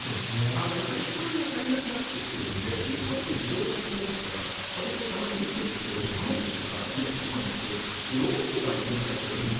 やっぱり人手が足りなくなってきているので一方で自動化が進んでいますから私もたまに行くんですがはま寿司とかちょっと行くとロボットがお出迎えしているわけですよ。